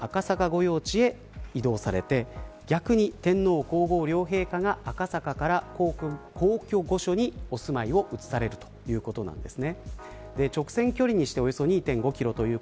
御用地へ移動されて逆に、天皇皇后両陛下が赤坂から皇居・御所にお住まいを移されるということです。